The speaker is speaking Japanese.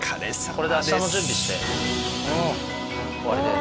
これで明日の準備して終わりです。